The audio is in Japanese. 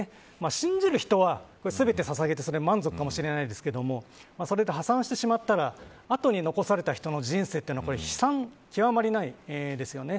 信じる人は全てささげて満足かもしれないですけれどもそれで破産してしまったらあとに残された人の人生は悲惨極まりないですよね。